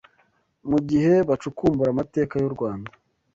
mu gihe bacukumbura amateka y’u Rwanda